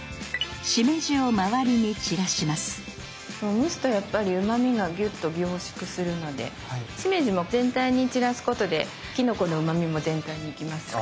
蒸すとやっぱりうまみがギュッと凝縮するのでしめじも全体に散らすことできのこのうまみも全体にいきますから。